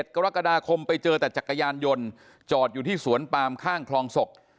กรกฎาคมไปเจอแต่จักรยานยนต์จอดอยู่ที่สวนปามข้างคลองศพ